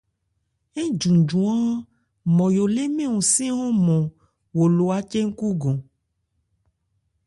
Ńjuju-án Nmɔyo lê mɛ́n hɔnsɛ́n ɔ́nmɔn, wo lo ácɛn-kúgɔn.